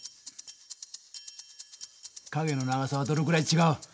影の長さはどのくらい違う？